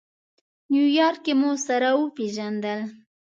نیویارک کې مو سره وپېژندل.